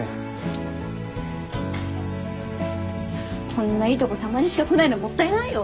こんないいとこたまにしか来ないのもったいないよ。